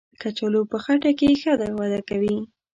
کچالو په خټه کې ښه وده کوي